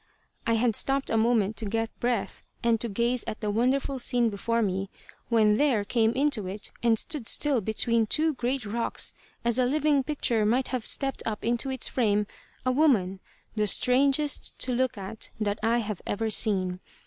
I had stopped a moment to get breath and to gaze at the wonderful scene before me when there came into it and stood still between two great rocks, as a living picture might have stepped up into its frame, a woman, the strangest to look at that I have ever seen.